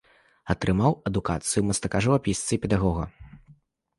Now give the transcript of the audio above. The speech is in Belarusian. Атрымаў адукацыю мастака-жывапісца і педагога.